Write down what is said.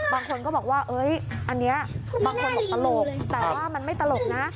บางคนก็บอกว่าอันนี้บางคนบอกตลกแต่ว่ามันไม่ตลกนะ